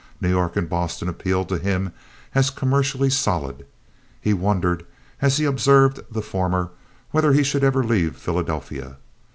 New York and Boston appealed to him as commercially solid. He wondered, as he observed the former, whether he should ever leave Philadelphia.